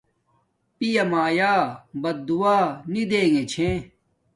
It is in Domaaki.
پیا مایا بددعا نی دیگے چھے